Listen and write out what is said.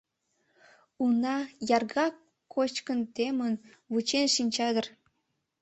Уна, яргак кочкын темын, вучен шинча дыр...